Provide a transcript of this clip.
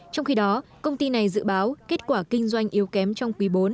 trong khi đó công ty này dự báo kết quả kinh doanh yếu kém trong quý bốn